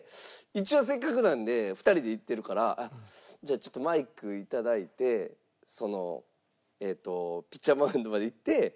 一応せっかくなので２人で行ってるから「じゃあちょっとマイク頂いてそのピッチャーマウンドまで行って」。